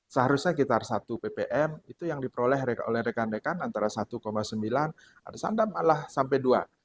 seharusnya sekitar satu ppm itu yang diperoleh oleh rekan rekan antara satu sembilan ada sandam malah sampai dua